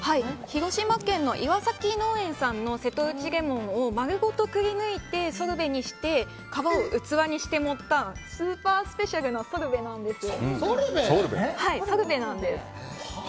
広島県の岩崎農園さんの瀬戸内レモンを丸ごとくり抜いてソルベにして皮を器にして盛ったスーパースペシャルなソルベなんです。